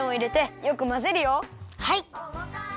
はい！